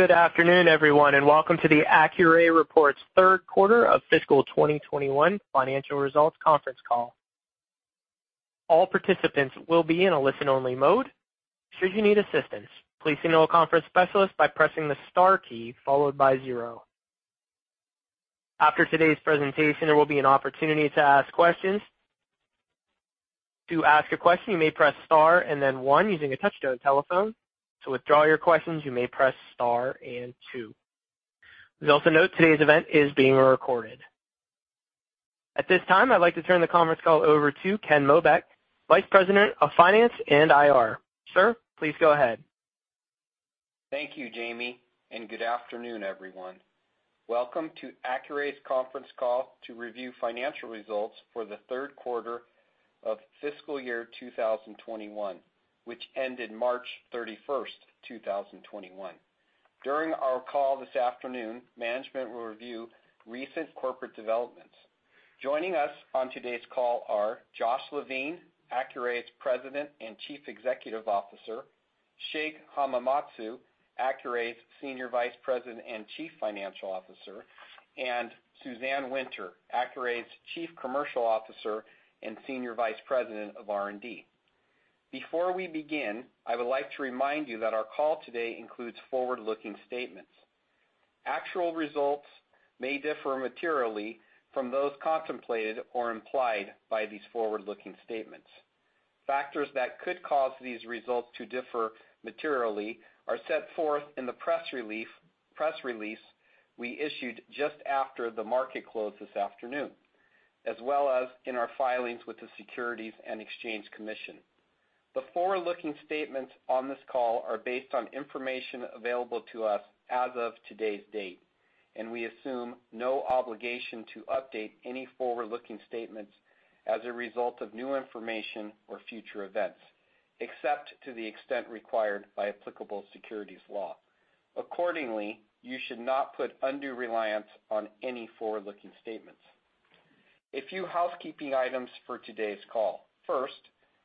Good afternoon, everyone, and welcome to the Accuray reports third quarter of fiscal 2021 financial results conference call. All participants will be in a listen-only mode. Should you need assistance, please signal a conference specialist by pressing the star key followed by zero. After today's presentation, there will be an opportunity to ask questions. To ask a question, you may press star and then one using a touch-tone telephone. To withdraw your questions, you may press star and two. Please also note today's event is being recorded. At this time, I'd like to turn the conference call over to Ken Mobeck, Vice President of Finance and IR. Sir, please go ahead. Thank you, Jamie. Good afternoon, everyone. Welcome to Accuray's conference call to review financial results for the third quarter of fiscal year 2021, which ended March 31st, 2021. During our call this afternoon, management will review recent corporate developments. Joining us on today's call are Josh Levine, Accuray's President and Chief Executive Officer, Shig Hamamatsu, Accuray's Senior Vice President and Chief Financial Officer, and Suzanne Winter, Accuray's Chief Commercial Officer and Senior Vice President of R&D. Before we begin, I would like to remind you that our call today includes forward-looking statements. Actual results may differ materially from those contemplated or implied by these forward-looking statements. Factors that could cause these results to differ materially are set forth in the press release we issued just after the market closed this afternoon, as well as in our filings with the Securities and Exchange Commission. The forward-looking statements on this call are based on information available to us as of today's date, and we assume no obligation to update any forward-looking statements as a result of new information or future events, except to the extent required by applicable securities law. Accordingly, you should not put undue reliance on any forward-looking statements. A few housekeeping items for today's call. First,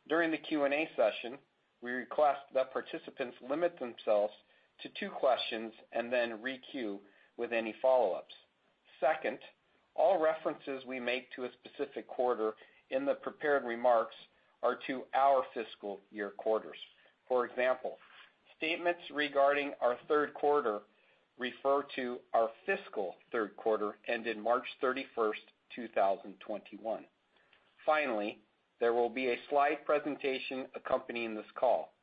during the Q&A session, we request that participants limit themselves to two questions and then re-queue with any follow-ups. Second, all references we make to a specific quarter in the prepared remarks are to our fiscal year quarters. For example, statements regarding our third quarter refer to our fiscal third quarter ended March 31st, 2021. Finally, there will be a slide presentation accompanying this call,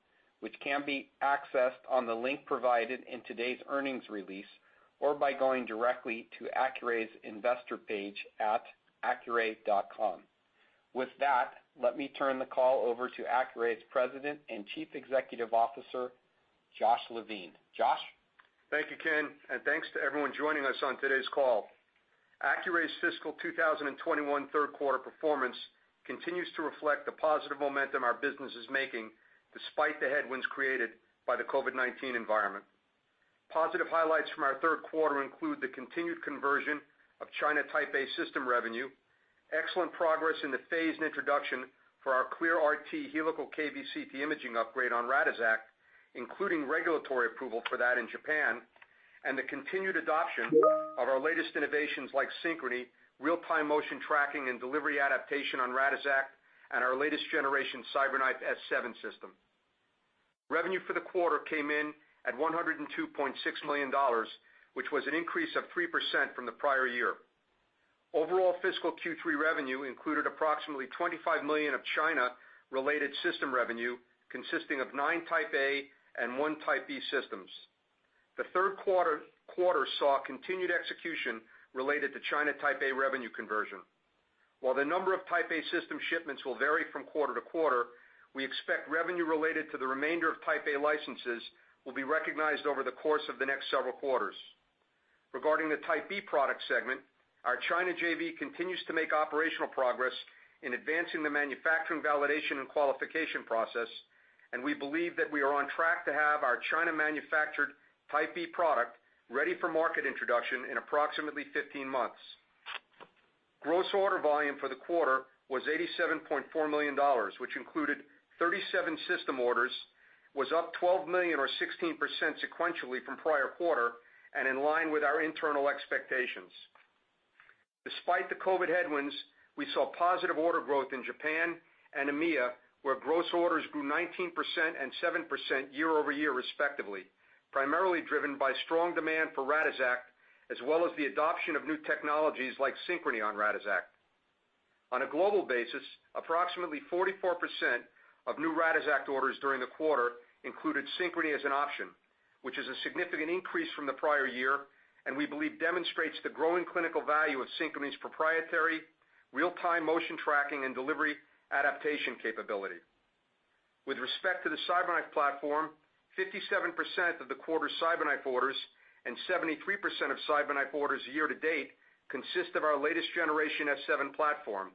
which can be accessed on the link provided in today's earnings release or by going directly to Accuray's investor page at accuray.com. With that, let me turn the call over to Accuray's President and Chief Executive Officer, Josh Levine. Josh? Thank you, Ken, and thanks to everyone joining us on today's call. Accuray's fiscal 2021 third quarter performance continues to reflect the positive momentum our business is making despite the headwinds created by the COVID-19 environment. Positive highlights from our third quarter include the continued conversion of China Type A system revenue, excellent progress in the phased introduction for our ClearRT helical kVCT imaging upgrade on Radixact, including regulatory approval for that in Japan, and the continued adoption of our latest innovations like Synchrony, real-time motion tracking, and delivery adaptation on Radixact, and our latest generation CyberKnife S7 system. Revenue for the quarter came in at $102.6 million, which was an increase of 3% from the prior year. Overall fiscal Q3 revenue included approximately $25 million of China-related system revenue, consisting of nine Type A and one Type B systems. The third quarter saw continued execution related to China Type A revenue conversion. While the number of Type A system shipments will vary from quarter to quarter, we expect revenue related to the remainder of Type A licenses will be recognized over the course of the next several quarters. Regarding the Type B product segment, our China JV continues to make operational progress in advancing the manufacturing validation and qualification process, and we believe that we are on track to have our China-manufactured Type B product ready for market introduction in approximately 15 months. Gross order volume for the quarter was $87.4 million, which included 37 system orders, was up $12 million or 16% sequentially from prior quarter, and in line with our internal expectations. Despite the COVID headwinds, we saw positive order growth in Japan and EMEA, where gross orders grew 19% and 7% year-over-year respectively, primarily driven by strong demand for Radixact, as well as the adoption of new technologies like Synchrony on Radixact. On a global basis, approximately 44% of new Radixact orders during the quarter included Synchrony as an option, which is a significant increase from the prior year, and we believe demonstrates the growing clinical value of Synchrony's proprietary real-time motion tracking and delivery adaptation capability. With respect to the CyberKnife platform, 57% of the quarter's CyberKnife orders and 73% of CyberKnife orders year-to-date consist of our latest generation S7 platform,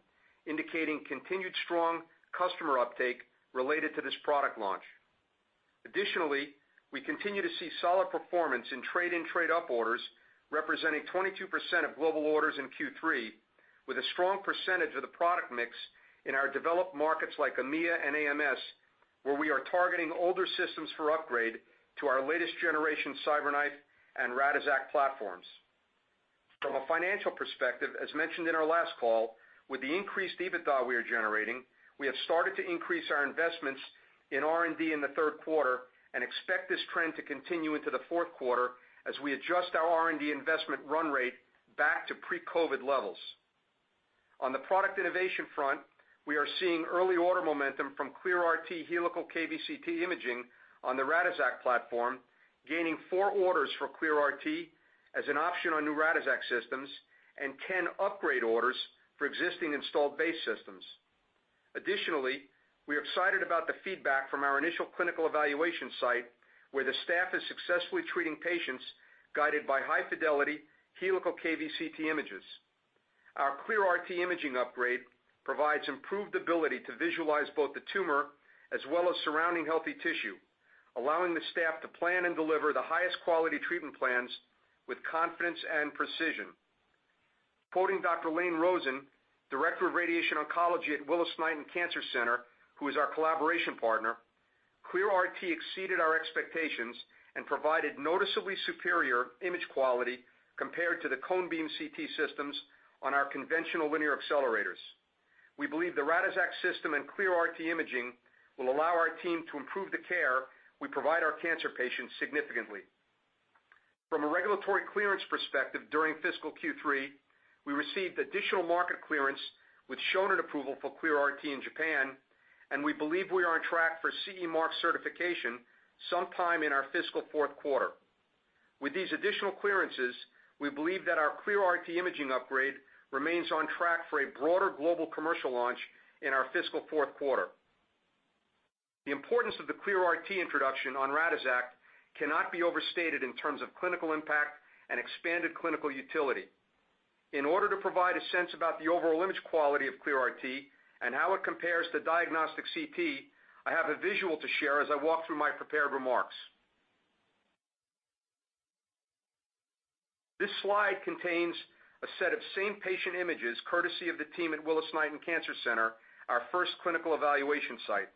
indicating continued strong customer uptake related to this product launch. Additionally, we continue to see solid performance in trade and trade-up orders, representing 22% of global orders in Q3. With a strong percentage of the product mix in our developed markets like EMEA and AMS, where we are targeting older systems for upgrade to our latest generation CyberKnife and Radixact platforms. From a financial perspective, as mentioned in our last call, with the increased EBITDA we are generating, we have started to increase our investments in R&D in the third quarter and expect this trend to continue into the fourth quarter as we adjust our R&D investment run rate back to pre-COVID-19 levels. On the product innovation front, we are seeing early order momentum from ClearRT Helical kVCT imaging on the Radixact platform, gaining four orders for ClearRT as an option on new Radixact systems and 10 upgrade orders for existing installed base systems. Additionally, we are excited about the feedback from our initial clinical evaluation site, where the staff is successfully treating patients guided by high-fidelity helical kVCT images. Our ClearRT imaging upgrade provides improved ability to visualize both the tumor as well as surrounding healthy tissue, allowing the staff to plan and deliver the highest quality treatment plans with confidence and precision. Quoting Dr. Lane Rosen, Director of Radiation Oncology at Willis-Knighton Cancer Center, who is our collaboration partner, "ClearRT exceeded our expectations and provided noticeably superior image quality compared to the cone beam CT systems on our conventional linear accelerators. We believe the Radixact system and ClearRT imaging will allow our team to improve the care we provide our cancer patients significantly. From a regulatory clearance perspective, during fiscal Q3, we received additional market clearance with Shonin approval for ClearRT in Japan, and we believe we are on track for CE mark certification sometime in our fiscal fourth quarter. With these additional clearances, we believe that our ClearRT imaging upgrade remains on track for a broader global commercial launch in our fiscal fourth quarter. The importance of the ClearRT introduction on Radixact cannot be overstated in terms of clinical impact and expanded clinical utility. In order to provide a sense about the overall image quality of ClearRT and how it compares to diagnostic CT, I have a visual to share as I walk through my prepared remarks. This slide contains a set of same patient images courtesy of the team at Willis-Knighton Cancer Center, our first clinical evaluation site.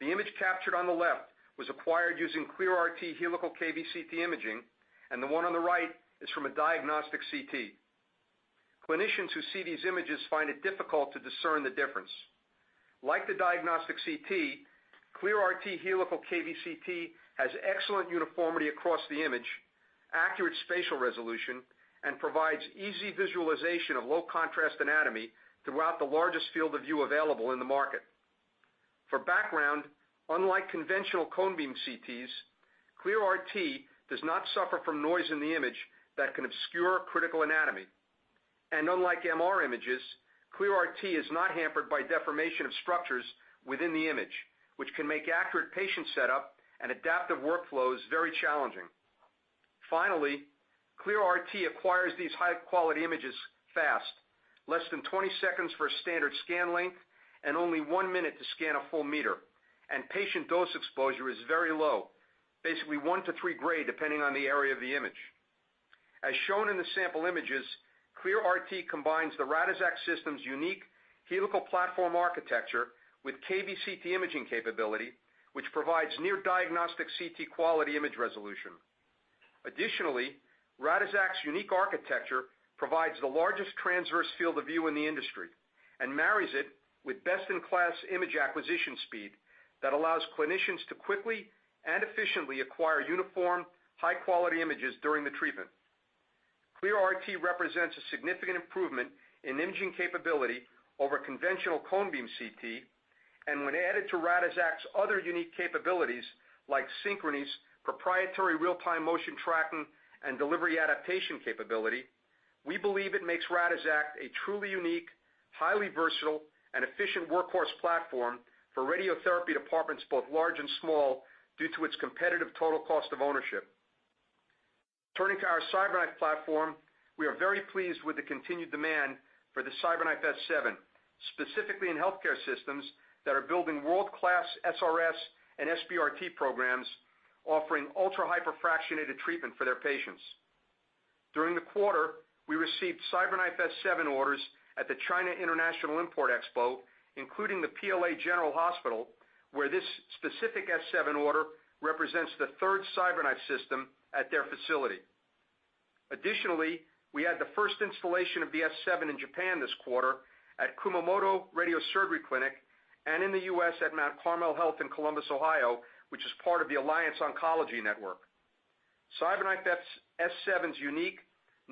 The image captured on the left was acquired using ClearRT helical kVCT imaging, and the one on the right is from a diagnostic CT. Clinicians who see these images find it difficult to discern the difference. Like the diagnostic CT, ClearRT helical kVCT has excellent uniformity across the image, accurate spatial resolution, and provides easy visualization of low contrast anatomy throughout the largest field of view available in the market. For background, unlike conventional cone beam CTs, ClearRT does not suffer from noise in the image that can obscure critical anatomy. Unlike MR images, ClearRT is not hampered by deformation of structures within the image, which can make accurate patient setup and adaptive workflows very challenging. ClearRT acquires these high-quality images fast, less than 20 seconds for a standard scan length and only one minute to scan a full meter. Patient dose exposure is very low, basically one to three gray, depending on the area of the image. As shown in the sample images, ClearRT combines the Radixact system's unique helical platform architecture with kVCT imaging capability, which provides near-diagnostic CT quality image resolution. Additionally, Radixact's unique architecture provides the largest transverse field of view in the industry and marries it with best-in-class image acquisition speed that allows clinicians to quickly and efficiently acquire uniform, high-quality images during the treatment. ClearRT represents a significant improvement in imaging capability over conventional cone beam CT, and when added to Radixact's other unique capabilities like Synchrony's proprietary real-time motion tracking and delivery adaptation capability, we believe it makes Radixact a truly unique, highly versatile, and efficient workhorse platform for radiotherapy departments both large and small due to its competitive total cost of ownership. Turning to our CyberKnife platform, we are very pleased with the continued demand for the CyberKnife S7, specifically in healthcare systems that are building world-class SRS and SBRT programs offering ultra-hyperfractionated treatment for their patients. During the quarter, we received CyberKnife S7 orders at the China International Import Expo, including the PLA General Hospital, where this specific S7 order represents the third CyberKnife system at their facility. Additionally, we had the first installation of the S7 in Japan this quarter at Kumamoto Radiosurgery Clinic and in the U.S. at Mount Carmel Health in Columbus, Ohio, which is part of the Alliance Oncology Network. CyberKnife S7's unique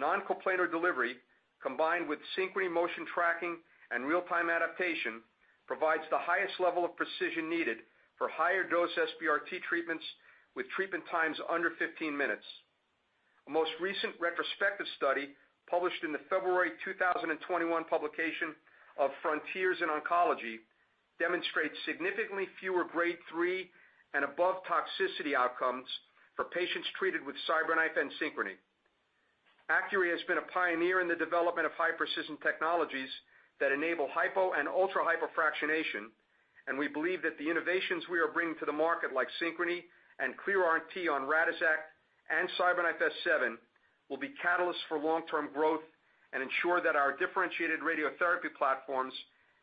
non-coplanar delivery, combined with Synchrony motion tracking and real-time adaptation, provides the highest level of precision needed for higher dose SBRT treatments with treatment times under 15 minutes. A most recent retrospective study published in the February 2021 publication of Frontiers in Oncology demonstrates significantly fewer Grade 3 and above toxicity outcomes for patients treated with CyberKnife and Synchrony. Accuray has been a pioneer in the development of high-precision technologies that enable hypo and ultra-hypofractionation. We believe that the innovations we are bringing to the market, like Synchrony and ClearRT on Radixact and CyberKnife S7, will be catalysts for long-term growth and ensure that our differentiated radiotherapy platforms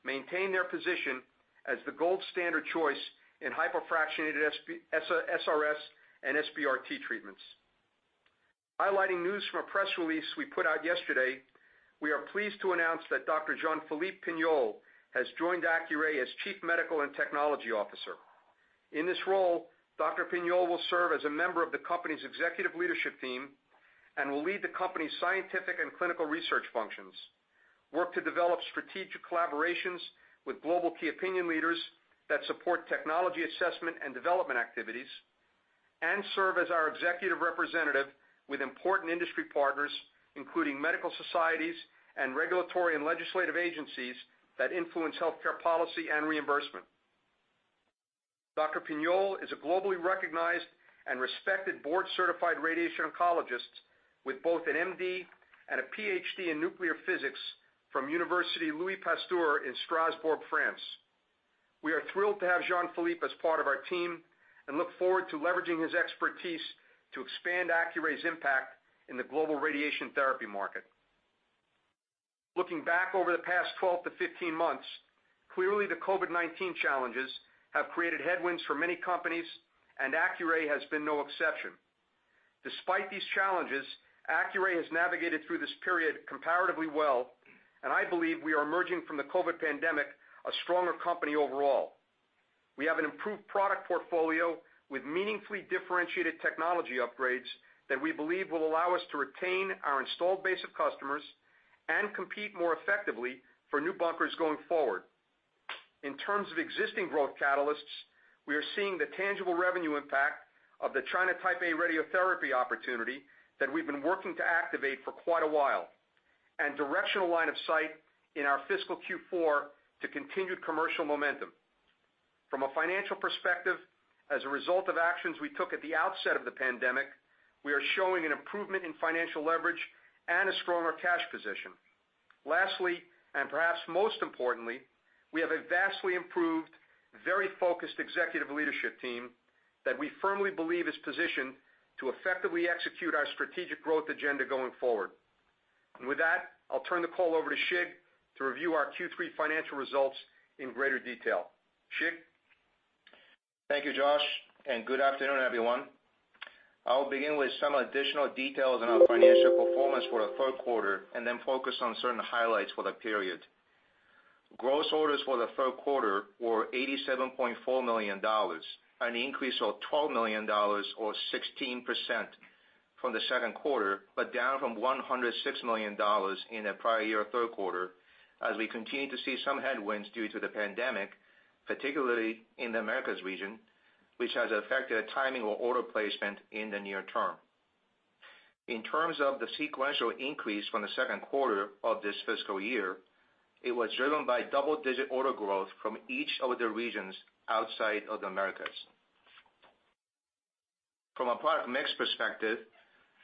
maintain their position as the gold standard choice in hyperfractionated SRS and SBRT treatments. Highlighting news from a press release we put out yesterday, we are pleased to announce that Dr. Jean-Philippe Pignol has joined Accuray as Chief Medical and Technology Officer. In this role, Dr. Pignol will serve as a member of the company's executive leadership team and will lead the company's scientific and clinical research functions, work to develop strategic collaborations with global key opinion leaders that support technology assessment and development activities, and serve as our executive representative with important industry partners, including medical societies and regulatory and legislative agencies that influence healthcare policy and reimbursement. Dr. Pignol is a globally recognized and respected board-certified radiation oncologist with both an MD and a PhD in nuclear physics from Université Louis Pasteur in Strasbourg, France. We are thrilled to have Jean-Philippe as part of our team and look forward to leveraging his expertise to expand Accuray's impact in the global radiation therapy market. Looking back over the past 12 to 15 months, clearly the COVID-19 challenges have created headwinds for many companies. Accuray has been no exception. Despite these challenges, Accuray has navigated through this period comparatively well, and I believe we are emerging from the COVID pandemic a stronger company overall. We have an improved product portfolio with meaningfully differentiated technology upgrades that we believe will allow us to retain our installed base of customers and compete more effectively for new bunkers going forward. In terms of existing growth catalysts, we are seeing the tangible revenue impact of the China Type A radiotherapy opportunity that we've been working to activate for quite a while, and directional line of sight in our fiscal Q4 to continued commercial momentum. From a financial perspective, as a result of actions we took at the outset of the pandemic, we are showing an improvement in financial leverage and a stronger cash position. Lastly, perhaps most importantly, we have a vastly improved, very focused executive leadership team that we firmly believe is positioned to effectively execute our strategic growth agenda going forward. With that, I'll turn the call over to Shig to review our Q3 financial results in greater detail. Shig? Thank you, Josh. Good afternoon, everyone. I'll begin with some additional details on our financial performance for the third quarter and then focus on certain highlights for the period. Gross orders for the third quarter were $87.4 million, an increase of $12 million or 16% from the second quarter. Down from $106 million in the prior year third quarter, as we continue to see some headwinds due to the pandemic, particularly in the Americas region, which has affected timing of order placement in the near term. In terms of the sequential increase from the second quarter of this fiscal year, it was driven by double-digit order growth from each of the regions outside of the Americas. From a product mix perspective,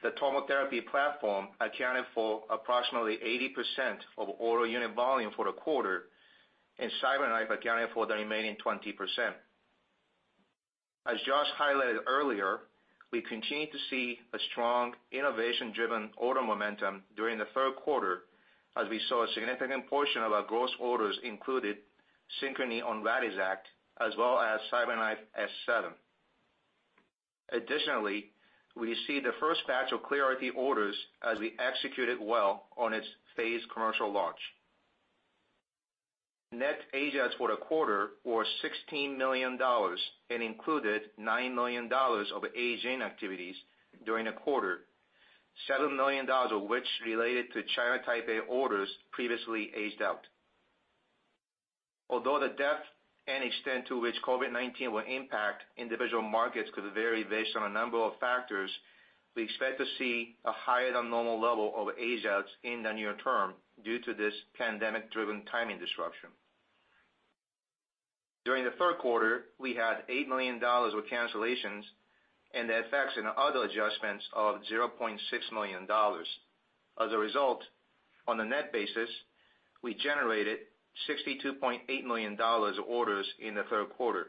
the TomoTherapy platform accounted for approximately 80% of order unit volume for the quarter, and CyberKnife accounted for the remaining 20%. As Josh highlighted earlier, we continued to see a strong innovation-driven order momentum during the third quarter as we saw a significant portion of our gross orders included Synchrony on Radixact as well as CyberKnife S7. We see the first batch of ClearRT orders as we executed well on its phased commercial launch. Net age-outs for the quarter were $16 million and included $9 million of aging activities during the quarter, $7 million of which related to China Type A orders previously aged out. Although the depth and extent to which COVID-19 will impact individual markets could vary based on a number of factors, we expect to see a higher-than-normal level of age-outs in the near term due to this pandemic-driven timing disruption. During the third quarter, we had $8 million of cancellations and the effects in other adjustments of $0.6 million. On a net basis, we generated $62.8 million of orders in the third quarter.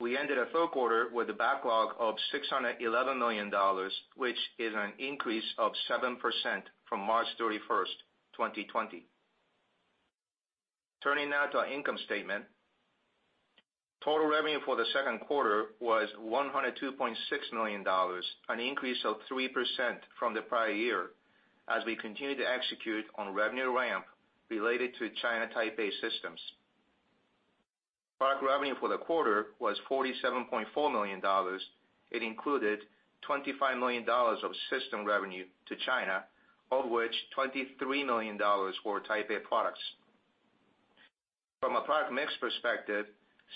We ended the third quarter with a backlog of $611 million, which is an increase of 7% from March 31st, 2020. Turning now to our income statement. Total revenue for the second quarter was $102.6 million, an increase of 3% from the prior year as we continued to execute on revenue ramp related to China Type A systems. Product revenue for the quarter was $47.4 million. It included $25 million of system revenue to China, of which $23 million were Type A products. From a product mix perspective,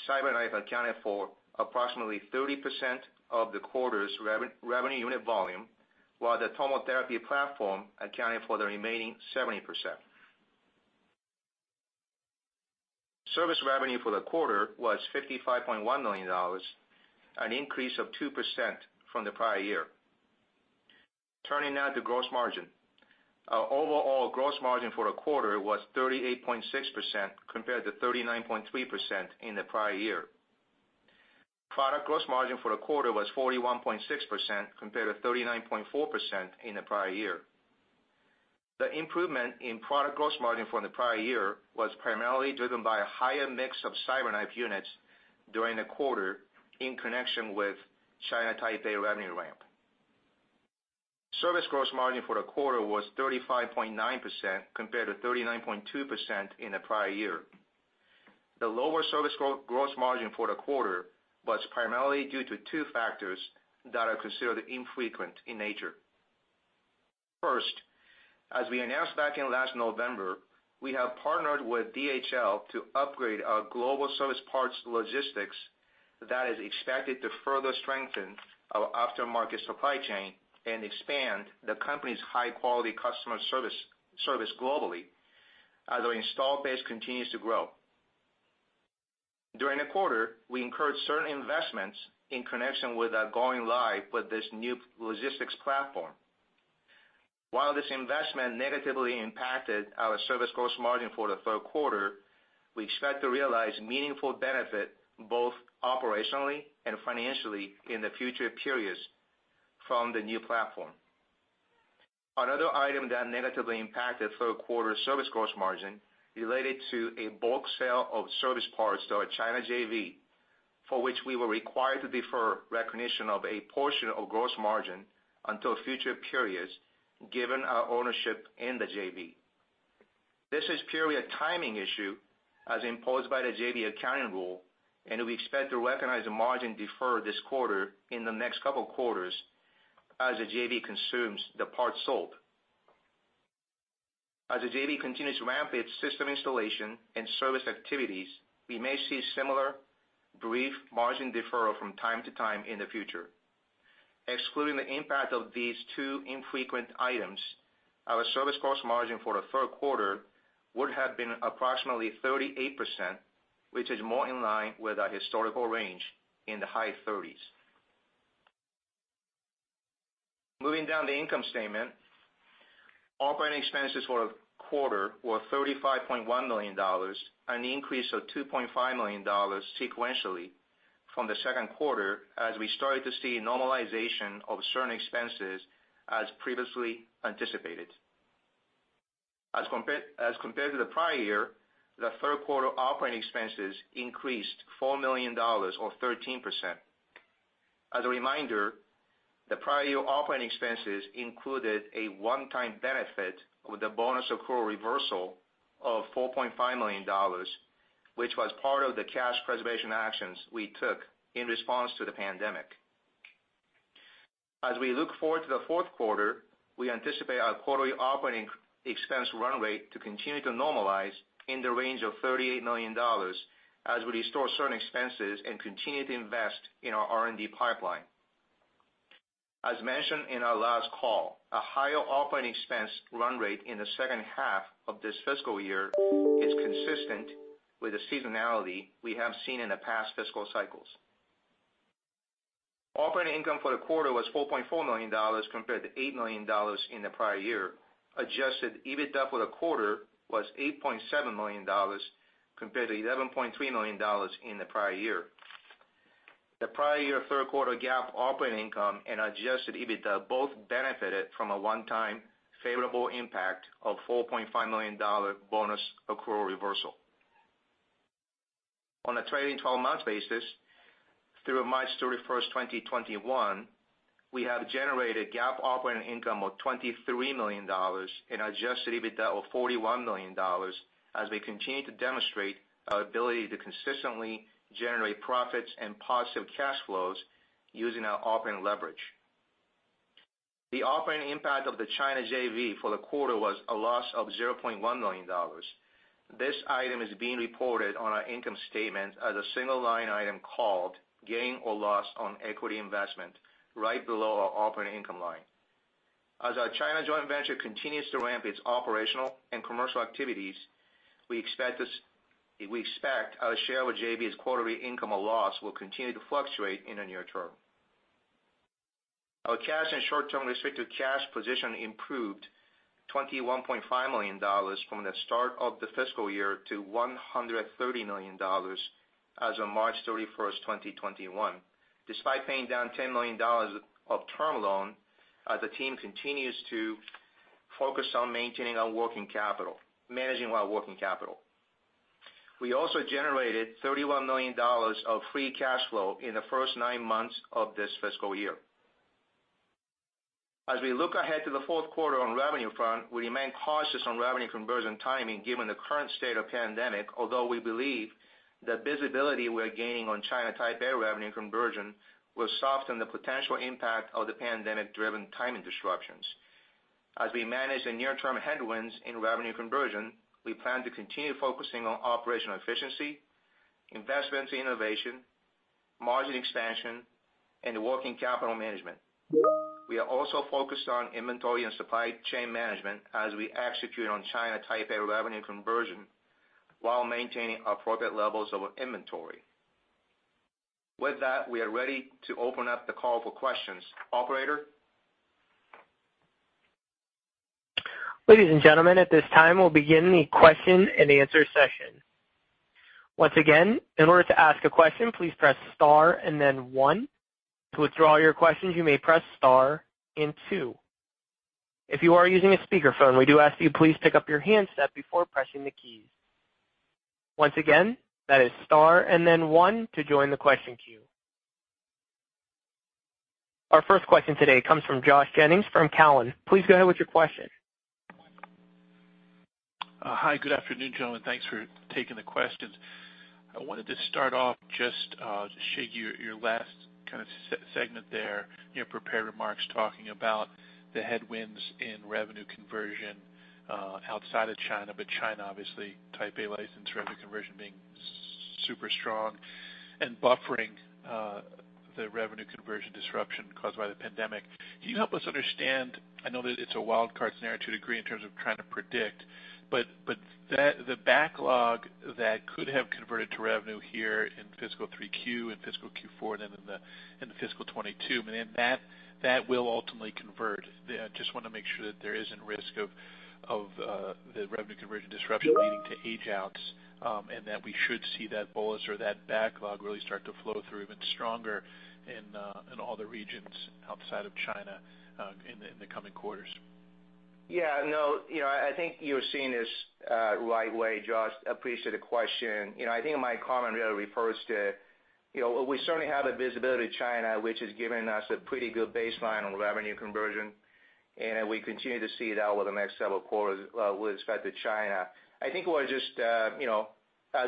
CyberKnife accounted for approximately 30% of the quarter's revenue unit volume, while the TomoTherapy platform accounted for the remaining 70%. Service revenue for the quarter was $55.1 million, an increase of 2% from the prior year. Turning now to gross margin. Our overall gross margin for the quarter was 38.6% compared to 39.3% in the prior year. Product gross margin for the quarter was 41.6% compared to 39.4% in the prior year. The improvement in product gross margin from the prior year was primarily driven by a higher mix of CyberKnife units during the quarter in connection with China Type A revenue ramp. Service gross margin for the quarter was 35.9% compared to 39.2% in the prior year. The lower service gross margin for the quarter was primarily due to two factors that are considered infrequent in nature. First, as we announced back in last November, we have partnered with DHL to upgrade our global service parts logistics that is expected to further strengthen our aftermarket supply chain and expand the company's high-quality customer service globally as our install base continues to grow. During the quarter, we incurred certain investments in connection with our going live with this new logistics platform. While this investment negatively impacted our service gross margin for the third quarter, we expect to realize meaningful benefit both operationally and financially in the future periods from the new platform. Another item that negatively impacted third quarter service gross margin related to a bulk sale of service parts to our China JV, for which we were required to defer recognition of a portion of gross margin until future periods, given our ownership in the JV. This is purely a timing issue as imposed by the JV accounting rule, and we expect to recognize the margin defer this quarter in the next couple of quarters as the JV consumes the parts sold. As the JV continues to ramp its system installation and service activities, we may see similar brief margin deferral from time to time in the future. Excluding the impact of these two infrequent items, our service gross margin for the third quarter would have been approximately 38%, which is more in line with our historical range in the high 30s. Moving down the income statement, operating expenses for the quarter were $35.1 million, an increase of $2.5 million sequentially from the second quarter, as we started to see normalization of certain expenses as previously anticipated. As compared to the prior year, the third quarter operating expenses increased $4 million or 13%. As a reminder, the prior year operating expenses included a one-time benefit with a bonus accrual reversal of $4.5 million, which was part of the cash preservation actions we took in response to the pandemic. As we look forward to the fourth quarter, we anticipate our quarterly operating expense run rate to continue to normalize in the range of $38 million as we restore certain expenses and continue to invest in our R&D pipeline. As mentioned in our last call, a higher operating expense run rate in the second half of this fiscal year is consistent with the seasonality we have seen in the past fiscal cycles. Operating income for the quarter was $4.4 million compared to $8 million in the prior year. Adjusted EBITDA for the quarter was $8.7 million compared to $11.3 million in the prior year. The prior year third quarter GAAP operating income and adjusted EBITDA both benefited from a one-time favorable impact of $4.5 million bonus accrual reversal. On a trailing 12-month basis, through March 31st, 2021, we have generated GAAP operating income of $23 million in adjusted EBITDA of $41 million as we continue to demonstrate our ability to consistently generate profits and positive cash flows using our operating leverage. The operating impact of the China JV for the quarter was a loss of $0.1 million. This item is being reported on our income statement as a single line item called Gain or Loss on Equity Investment, right below our operating income line. As our China joint venture continues to ramp its operational and commercial activities, we expect our share with JV's quarterly income or loss will continue to fluctuate in the near term. Our cash and short-term restricted cash position improved $21.5 million from the start of the fiscal year to $130 million as of March 31st, 2021. Despite paying down $10 million of term loan, as the team continues to focus on managing our working capital. We also generated $31 million of free cash flow in the first nine months of this fiscal year. As we look ahead to the fourth quarter on revenue front, we remain cautious on revenue conversion timing given the current state of pandemic, although we believe the visibility we are gaining on China Type A revenue conversion will soften the potential impact of the pandemic-driven timing disruptions. As we manage the near-term headwinds in revenue conversion, we plan to continue focusing on operational efficiency, investments in innovation, margin expansion, and working capital management. We are also focused on inventory and supply chain management as we execute on China Type A revenue conversion while maintaining appropriate levels of inventory. With that, we are ready to open up the call for questions. Operator? Ladies and gentlemen, at this time, we'll begin the question and answer session. Once again, in order to ask a question, please press star and then one. To withdraw your questions, you may press star and two. If you are using a speakerphone, we do ask you please pick up your handset before pressing the keys. Once again, that is star and then one to join the question queue. Our first question today comes from Josh Jennings from Cowen. Please go ahead with your question. Hi, good afternoon, gentlemen. Thanks for taking the questions. I wanted to start off, Shig, your last kind of segment there, your prepared remarks talking about the headwinds in revenue conversion outside of China, but China, obviously, Type A license revenue conversion being super strong and buffering the revenue conversion disruption caused by the pandemic. Can you help us understand, I know that it's a wild card scenario to a degree in terms of trying to predict, but the backlog that could have converted to revenue here in fiscal Q3 and fiscal Q4 and then in the fiscal 2022, that will ultimately convert. Just want to make sure that there isn't risk of the revenue conversion disruption leading to age-outs, that we should see that bolus or that backlog really start to flow through even stronger in all the regions outside of China in the coming quarters. Yeah, no. I think you're seeing this right way, Josh. Appreciate the question. I think my comment really refers to we certainly have the visibility to China, which has given us a pretty good baseline on revenue conversion. We continue to see it out over the next several quarters with respect to China. I think we're just, as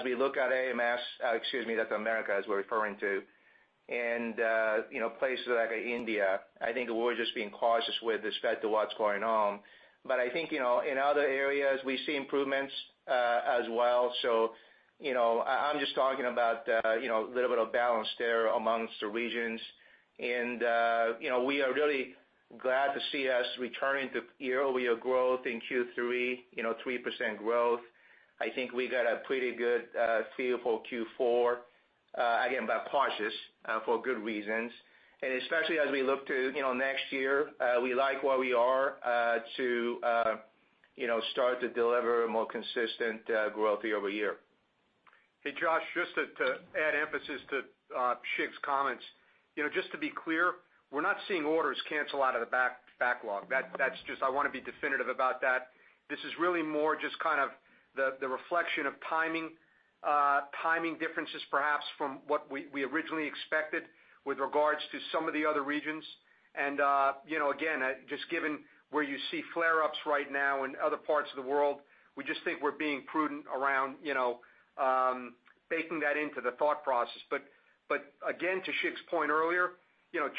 we look at Americas, and places like India, I think we're just being cautious with respect to what's going on. I think, in other areas, we see improvements as well. I'm just talking about a little bit of balance there amongst the regions. We are really glad to see us returning to year-over-year growth in Q3, 3% growth. I think we got a pretty good feel for Q4, again, but cautious for good reasons. Especially as we look to next year, we like where we are to start to deliver a more consistent growth year-over-year. Hey, Josh, just to add emphasis to Shig's comments. Just to be clear, we're not seeing orders cancel out of the backlog. I want to be definitive about that. This is really more just kind of the reflection of timing differences, perhaps from what we originally expected with regards to some of the other regions. Again, just given where you see flare-ups right now in other parts of the world, we just think we're being prudent around baking that into the thought process. Again, to Shig's point earlier,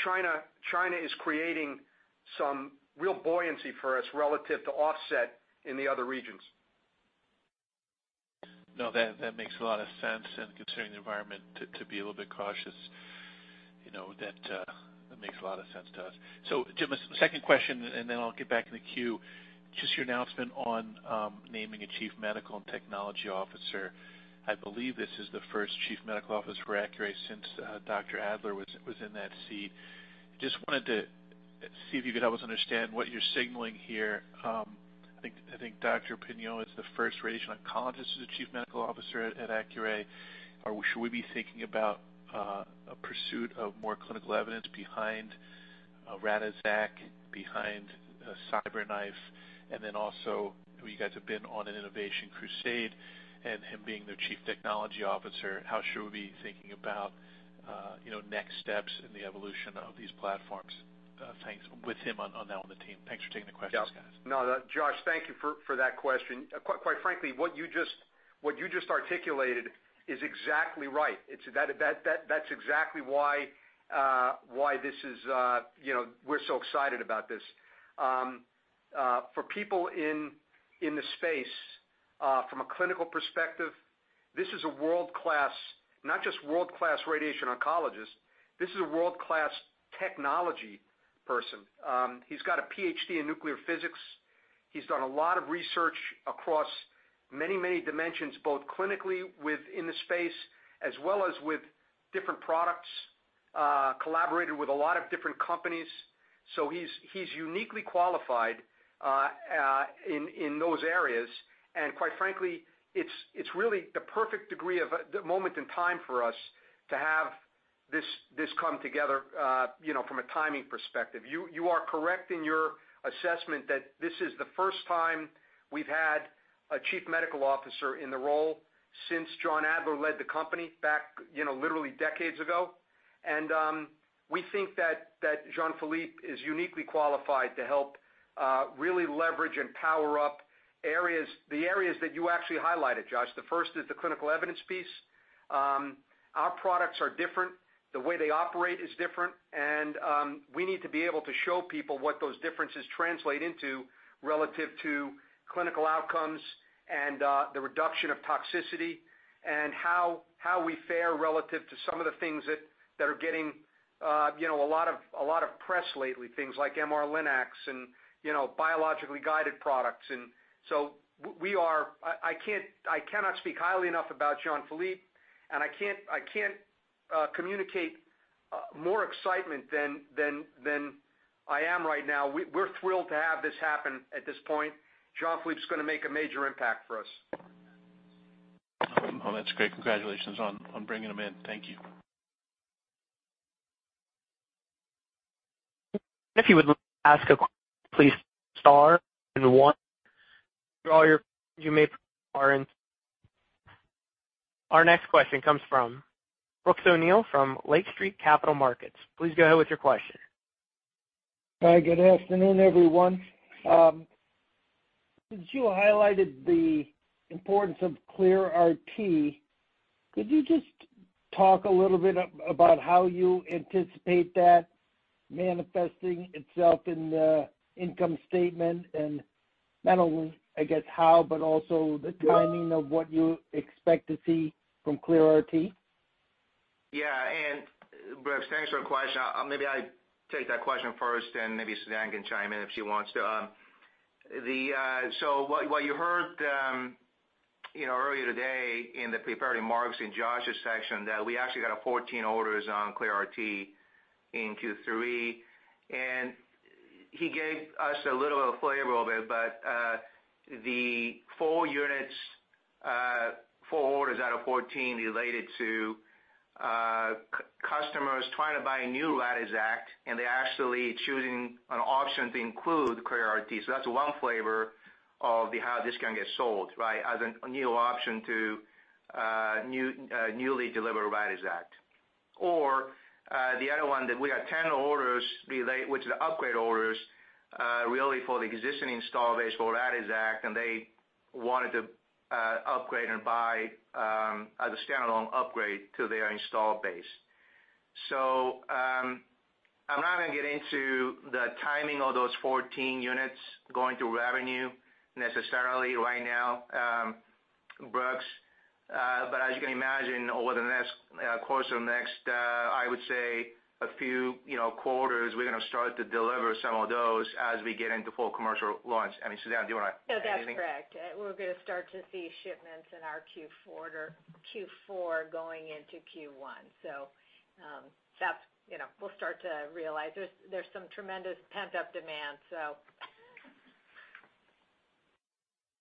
China is creating some real buoyancy for us relative to offset in the other regions. No, that makes a lot of sense. Considering the environment, to be a little bit cautious, that makes a lot of sense to us. Jim, a second question, then I'll get back in the queue. Just your announcement on naming a Chief Medical and Technology Officer. I believe this is the first Chief Medical Officer for Accuray since Dr. Adler was in that seat. Just wanted to see if you could help us understand what you're signaling here. I think Dr. Pignol is the first radiation oncologist as a Chief Medical Officer at Accuray. Should we be thinking about a pursuit of more clinical evidence behind Radixact, behind CyberKnife? Then also, you guys have been on an innovation crusade, and him being their Chief Technology Officer, how should we be thinking about next steps in the evolution of these platforms with him on the team? Thanks for taking the questions, guys. Yeah. No, Josh, thank you for that question. Quite frankly, what you just articulated is exactly right. That's exactly why we're so excited about this. For people in the space, from a clinical perspective, this is a world-class, not just world-class radiation oncologist, this is a world-class technology person. He's got a PhD in nuclear physics. He's done a lot of research across many, many dimensions, both clinically within the space as well as with different products, collaborated with a lot of different companies. He's uniquely qualified in those areas. Quite frankly, it's really the perfect degree of the moment in time for us to have this come together from a timing perspective. You are correct in your assessment that this is the first time we've had a Chief Medical Officer in the role since John Adler led the company back literally decades ago. We think that Jean-Philippe is uniquely qualified to help really leverage and power up the areas that you actually highlighted, Josh. The first is the clinical evidence piece. Our products are different. The way they operate is different. We need to be able to show people what those differences translate into relative to clinical outcomes and the reduction of toxicity, and how we fare relative to some of the things that are getting a lot of press lately, things like MR Linacs and biologically guided products. I cannot speak highly enough about Jean-Philippe, I can't communicate more excitement than I am right now. We're thrilled to have this happen at this point. Jean-Philippe's going to make a major impact for us. Oh, that's great. Congratulations on bringing him in. Thank you. Our next question comes from Brooks O'Neil from Lake Street Capital Markets. Please go ahead with your question. Hi, good afternoon, everyone. Since you highlighted the importance of ClearRT, could you just talk a little bit about how you anticipate that manifesting itself in the income statement and not only, I guess how, but also the timing of what you expect to see from ClearRT? Brooks, thanks for the question. Maybe I take that question first, and maybe Suzanne can chime in if she wants to. What you heard earlier today in the prepared remarks in Josh Levine's section that we actually got 14 orders on ClearRT in Q3, and he gave us a little flavor of it, but the four orders out of 14 related to customers trying to buy new Radixact, and they're actually choosing an option to include ClearRT. That's one flavor of how this can get sold, right, as a new option to newly deliver Radixact. The other one that we got 10 orders relate, which is upgrade orders, really for the existing install base for Radixact, and they wanted to upgrade and buy as a standalone upgrade to their install base. I'm not going to get into the timing of those 14 units going to revenue necessarily right now, Brooks. As you can imagine, over the next course or next, I would say a few quarters, we're going to start to deliver some of those as we get into full commercial launch. I mean, Suzanne, do you want to add anything? No, that's correct. We're going to start to see shipments in our Q4 going into Q1. We'll start to realize there's some tremendous pent-up demand.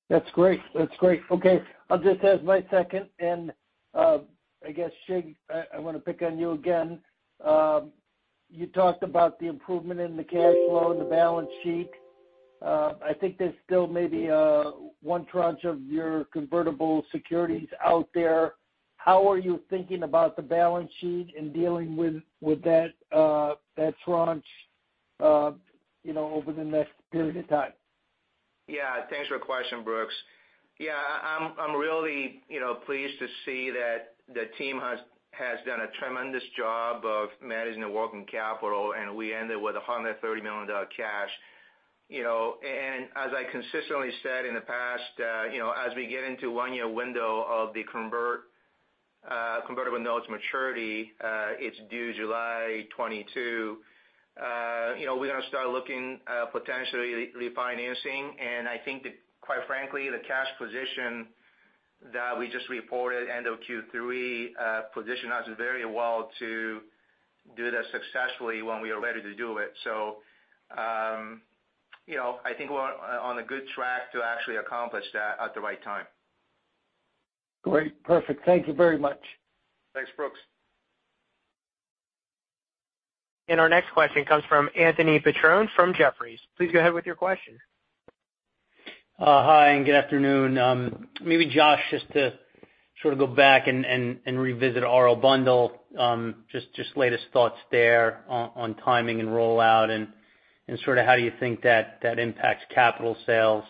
That's great. Okay. This is my second and, I guess, Shig, I want to pick on you again. You talked about the improvement in the cash flow and the balance sheet. I think there's still maybe one tranche of your convertible securities out there. How are you thinking about the balance sheet and dealing with that tranche over the next period of time? Yeah. Thanks for the question, Brooks. Yeah, I'm really pleased to see that the team has done a tremendous job of managing the working capital, and we ended with $130 million cash. As I consistently said in the past, as we get into one-year window of the convertible notes maturity, it's due July 2022. We're going to start looking at potentially refinancing. I think that quite frankly, the cash position that we just reported end of Q3 positions us very well to do that successfully when we are ready to do it. I think we're on a good track to actually accomplish that at the right time. Great. Perfect. Thank you very much. Thanks, Brooks. Our next question comes from Anthony Petrone from Jefferies. Please go ahead with your question. Hi. Good afternoon. Maybe Josh, just to sort of go back and revisit RO bundle. Just latest thoughts there on timing and rollout and sort of how do you think that impacts capital sales.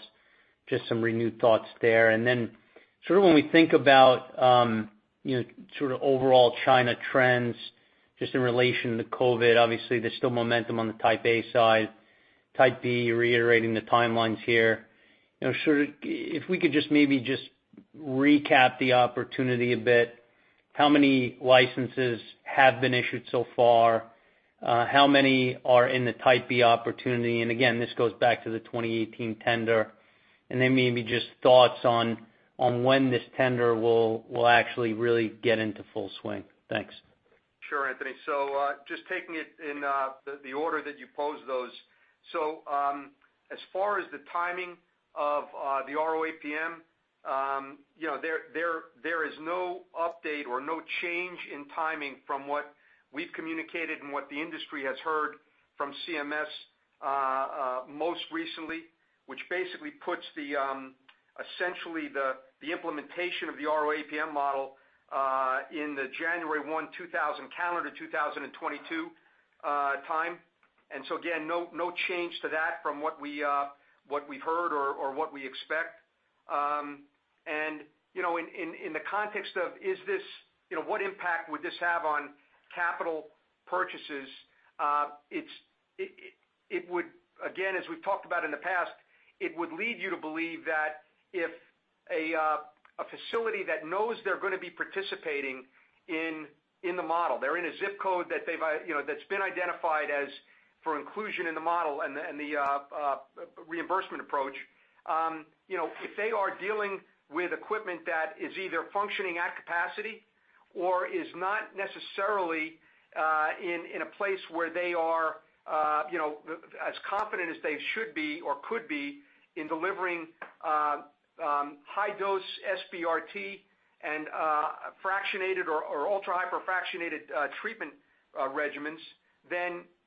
Just some renewed thoughts there. Sort of when we think about sort of overall China trends, just in relation to COVID, obviously, there's still momentum on the Type A side. Type B, you're reiterating the timelines here. If we could maybe just recap the opportunity a bit. How many licenses have been issued so far? How many are in the Type B opportunity? Again, this goes back to the 2018 tender, then maybe just thoughts on when this tender will actually really get into full swing. Thanks. Sure, Anthony. Just taking it in the order that you posed those. As far as the timing of the RO APM, there is no update or no change in timing from what we've communicated and what the industry has heard from CMS, most recently, which basically puts essentially the implementation of the RO APM model in the January 1, 2022 time. Again, no change to that from what we heard or what we expect. In the context of what impact would this have on capital purchases? Again, as we've talked about in the past, it would lead you to believe that if a facility that knows they're going to be participating in the model, they're in a zip code that's been identified as for inclusion in the model and the reimbursement approach. If they are dealing with equipment that is either functioning at capacity or is not necessarily in a place where they are as confident as they should be or could be in delivering high-dose SBRT and fractionated or ultra-hyperfractionated treatment regimens,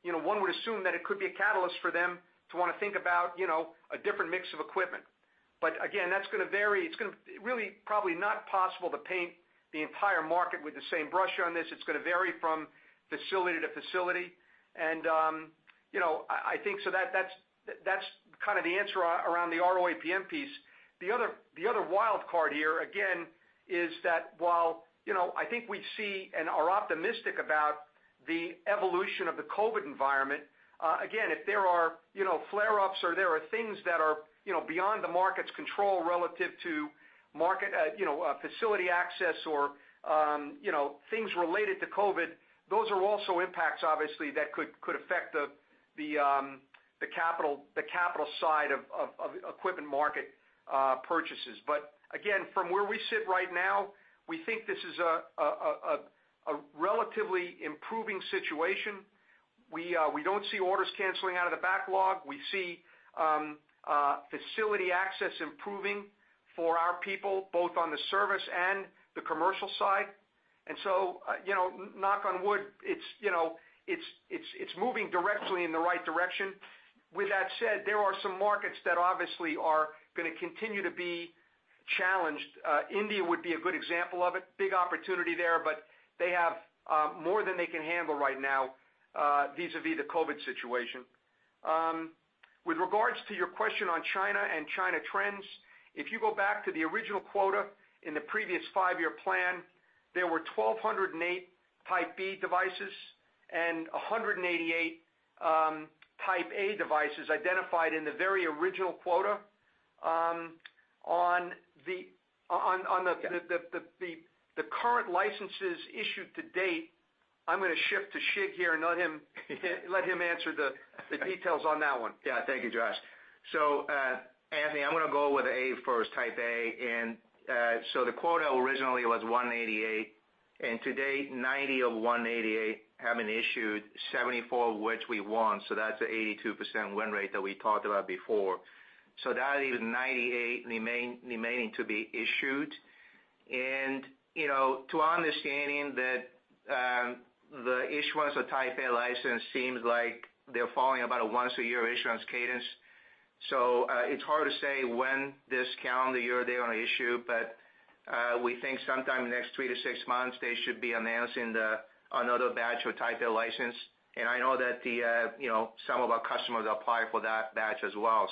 one would assume that it could be a catalyst for them to want to think about a different mix of equipment. Again, that's going to vary. It's really probably not possible to paint the entire market with the same brush on this. It's going to vary from facility to facility. I think that's kind of the answer around the RO APM piece. The other wild card here, again, is that while I think we see and are optimistic about the evolution of the COVID environment, again, if there are flare-ups or there are things that are beyond the market's control relative to market, facility access or things related to COVID, those are also impacts, obviously, that could affect the capital side of equipment market purchases. Again, from where we sit right now, we think this is a relatively improving situation. We don't see orders canceling out of the backlog. We see facility access improving for our people, both on the service and the commercial side. Knock on wood, it's moving directly in the right direction. With that said, there are some markets that obviously are going to continue to be challenged. India would be a good example of it. Big opportunity there. They have more than they can handle right now vis-a-vis the COVID situation. With regards to your question on China and China trends, if you go back to the original quota in the previous five-year plan, there were 1,208 Type B devices and 188 Type A devices identified in the very original quota, on the current licenses issued to date, I'm going to shift to Shig here and let him answer the details on that one. Yeah. Thank you, Josh. Anthony, I'm going to go with A first, Type A. The quota originally was 188, and to date, 90 of 188 have been issued, 74 of which we won. That's the 82% win rate that we talked about before. That leaves 98 remaining to be issued. To understanding that the issuance of Type A license seems like they're following about a once-a-year issuance cadence. It's hard to say when this calendar year they're going to issue, but we think sometime in the next three to six months, they should be announcing another batch of Type A license. I know that some of our customers apply for that batch as well.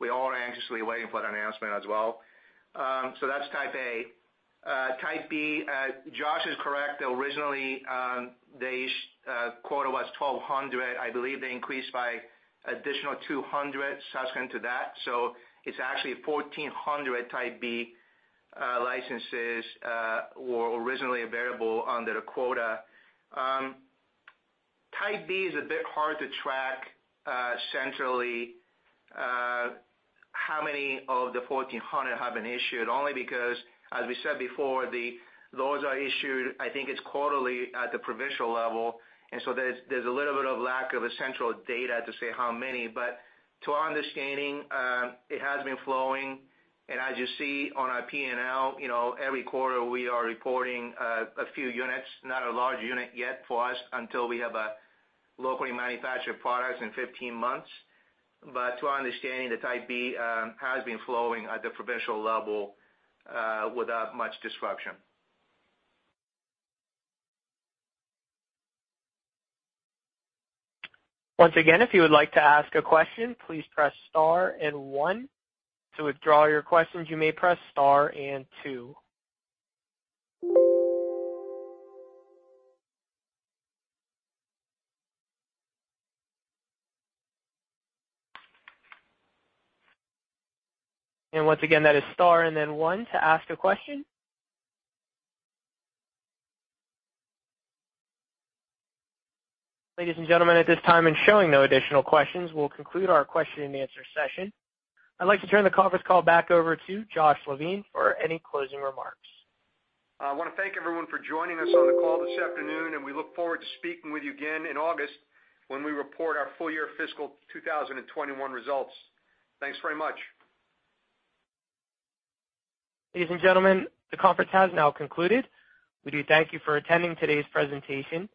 We all are anxiously waiting for that announcement as well. That's Type A. Type B, Josh is correct. Originally, the quota was 1,200. I believe they increased by additional 200 subsequent to that. It's actually 1,400 Type B licenses were originally available under the quota. Type B is a bit hard to track centrally how many of the 1,400 have been issued, only because, as we said before, those are issued, I think it's quarterly at the provincial level. There's a little bit of lack of a central data to say how many. To our understanding, it has been flowing. As you see on our P&L, every quarter we are reporting a few units, not a large unit yet for us until we have locally manufactured products in 15 months. To our understanding, the Type B has been flowing at the provincial level without much disruption. Ladies and gentlemen, at this time and showing no additional questions, we'll conclude our question and answer session. I'd like to turn the conference call back over to Josh Levine for any closing remarks. I want to thank everyone for joining us on the call this afternoon, and we look forward to speaking with you again in August when we report our full-year fiscal 2021 results. Thanks very much. Ladies and gentlemen, the conference has now concluded. We do thank you for attending today's presentation.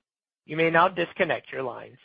You may now disconnect your lines.